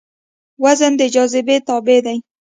وزن د جاذبې تابع دی.